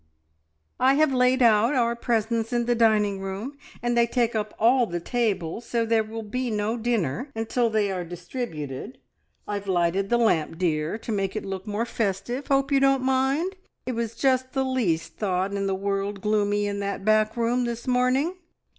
"I have laid out our presents in the dining room, and they take up all the table, so there will be no dinner until they are distributed. I've lighted the lamp, dear, to make it look more festive. Hope you don't mind? It was just the least thought in the world gloomy in that back room this morning."